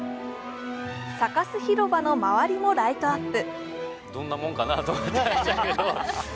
サカス広場の周りもライトアップ。